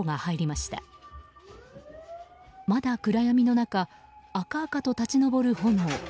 まだ暗闇の中、赤々と立ち上る炎。